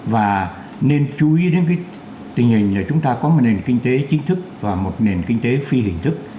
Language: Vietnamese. và nên chú ý đến cái tình hình là chúng ta có một nền kinh tế chính thức và một nền kinh tế phi hình thức